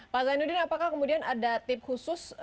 pak zainuddin apakah kemudian ada tip khusus